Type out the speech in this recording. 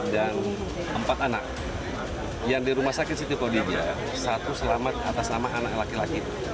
dan empat anak yang di rumah sakit siti podija satu selamat atas nama anak laki laki